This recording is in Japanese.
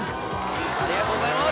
ありがとうございます！